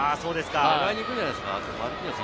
狙いに行くんじゃないですか。